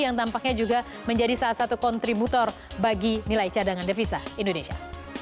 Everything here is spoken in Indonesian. yang tampaknya juga menjadi salah satu kontributor bagi nilai cadangan devisa indonesia